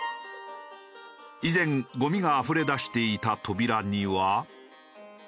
以前ごみがあふれ出していた扉には。